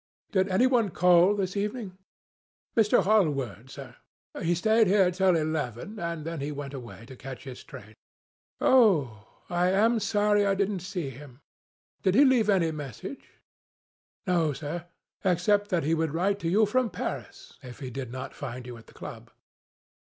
"Did any one call this evening?" "Mr. Hallward, sir. He stayed here till eleven, and then he went away to catch his train." "Oh! I am sorry I didn't see him. Did he leave any message?" "No, sir, except that he would write to you from Paris, if he did not find you at the club."